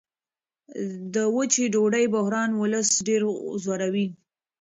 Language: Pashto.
د وچې ډوډۍ بحران ولس ډېر ځوروي.